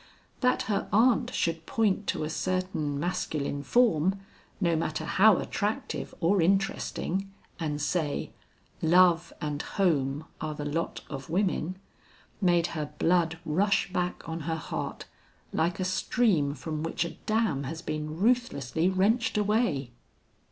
That her aunt should point to a certain masculine form, no matter how attractive or interesting, and say, "Love and home are the lot of women," made her blood rush back on her heart, like a stream from which a dam has been ruthlessly wrenched away.